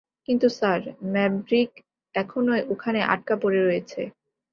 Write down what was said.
কিন্তু, sir, Maverick এখনো ওখানে আটকা পড়ে রয়েছে।